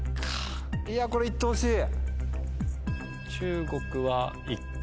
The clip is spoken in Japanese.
いやこれ行ってほしい！